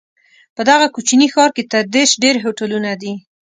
په دغه کوچني ښار کې تر دېرش ډېر هوټلونه دي.